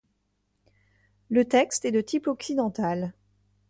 Le texte est de type occidental.